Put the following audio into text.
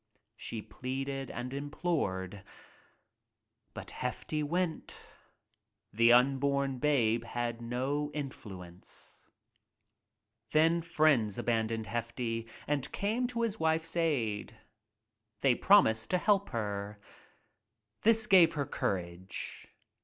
She pleaded and implored — but Hefty went. The unborn babe had no in fluence ! Then friends abandoned Hefty and came to the wife's aid. They promised to help her. This gave her courage.